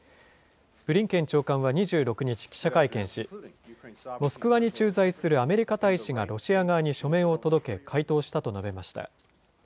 ブリンケン長官は２６日、記者会見し、モスクワに駐在するアメリカ大使が、ロシア側に書面を届け、回答したと述べました。